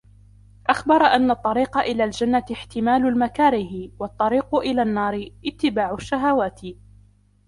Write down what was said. أَخْبَرَ أَنَّ الطَّرِيقَ إلَى الْجَنَّةِ احْتِمَالُ الْمَكَارِهِ ، وَالطَّرِيقَ إلَى النَّارِ اتِّبَاعُ الشَّهَوَاتِ